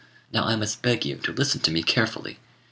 Now I must beg you to listen to me carefully.